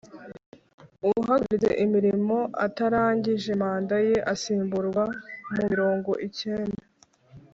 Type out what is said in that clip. Uhagaritse imirimo atarangije manda ye asimburwa mu mirongo icyenda